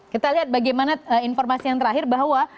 kita lihat bagaimana informasi yang terakhir bahwa